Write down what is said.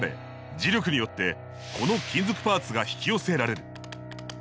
磁力によってこの金属パーツが引き寄せられる。